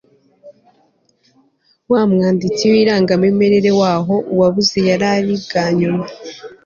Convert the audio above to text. mwanditsi w irangamimerere w'aho uwabuze yari ari bwa nyuma